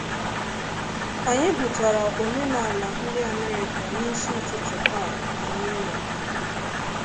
Anyị hụtara omenaala ndị Amerịka n’isi ụtụtụ taa na New York